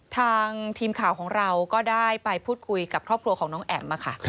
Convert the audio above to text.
ทางทีมข่าวของเราก็ได้ไปพูดคุยกับครอบครัวของน้องแอ๋มค่ะ